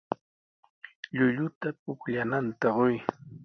Llulluta pukllananta quy.